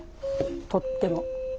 とっても。